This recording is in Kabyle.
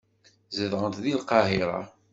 Zedɣent deg Lqahira.